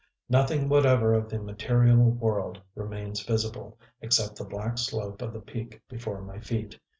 Nothing whatever of the material world remains visible, except the black slope of the peak before my feet.